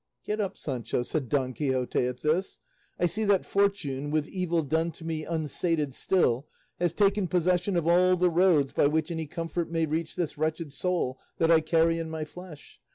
"Get up, Sancho," said Don Quixote at this; "I see that fortune, 'with evil done to me unsated still,' has taken possession of all the roads by which any comfort may reach 'this wretched soul' that I carry in my flesh.